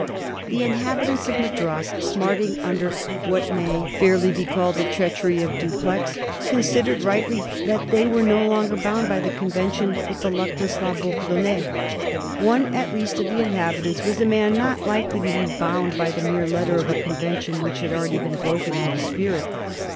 The inhabitants of Madras, smarting under what may 260 A HISTORT OF THE FOUR GEORGES. cb.xzz7iii. fairly be called the treachery of Dupleiz, considered rightly that they were no longer bound by the convention with the luckless La Bourdonnais. One at least of the inhabitants was a man not likely to be bound by the mere letter of a convention which had already been broken in the spirit.